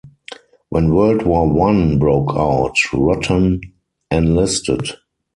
When World War One broke out, Ruttan enlisted.